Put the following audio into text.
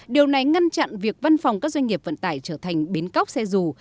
điều này ngăn chặn việc văn phòng các doanh nghiệp vận tải trở thành bến cóc xe dù